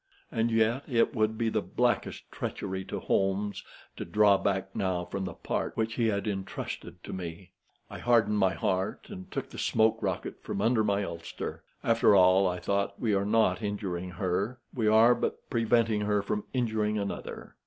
And yet it would be the blackest treachery to Holmes to draw back now from the part which he had intrusted to me. I hardened my heart, and took the smoke rocket from under my ulster. After all, I thought, we are not injuring her. We are but preventing her from injuring another.